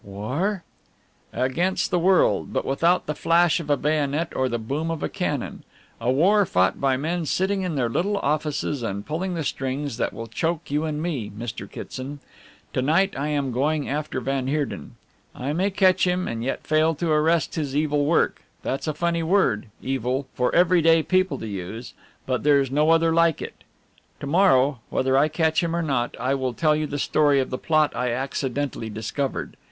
"War?" "Against the world, but without the flash of a bayonet or the boom of a cannon. A war fought by men sitting in their little offices and pulling the strings that will choke you and me, Mr. Kitson. To night I am going after van Heerden. I may catch him and yet fail to arrest his evil work that's a funny word, 'evil,' for everyday people to use, but there's no other like it. To morrow, whether I catch him or not, I will tell you the story of the plot I accidentally discovered.